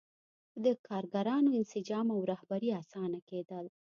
د کارګرانو انسجام او رهبري اسانه کېدل.